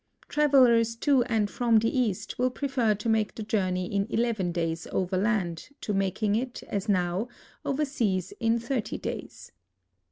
Travelers to and from the East will prefer to make the journey in eleven days overland to making it, as now, over seas in tliirty days.